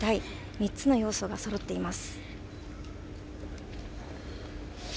３つの要素がそろっています。